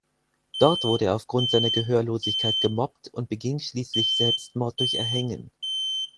Dort wurde er aufgrund seiner Gehörlosigkeit gemobbt und beging schließlich Selbstmord durch Erhängen.